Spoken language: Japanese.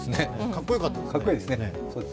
かっこよかったですね。